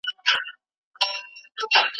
په مینه کي دروغ هم خوند ورکوي.